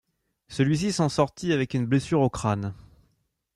Celui-ci s'en sortit avec une blessure au crâne.